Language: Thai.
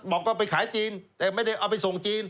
บอกว่าไปขายจีนแต่ไม่ได้เอาไปส่งจีน